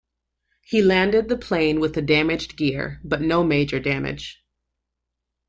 He landed the plane with a damaged gear, but no major damage.